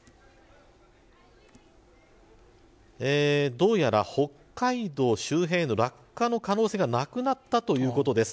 どうやら北海道周辺への落下の可能性がなくなったということです。